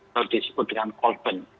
terdiri dengan cold burn